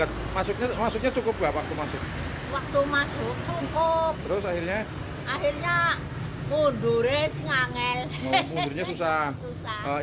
itu masuknya cukup waktu masuk waktu masuk oh terus akhirnya akhirnya mudurnya singangel